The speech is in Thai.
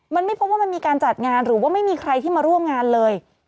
มันไม่พบว่ามันมีการจัดงานหรือว่าไม่มีใครที่มาร่วมงานเลย